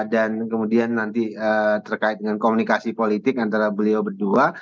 dan kemudian nanti terkait dengan komunikasi politik antara beliau berdua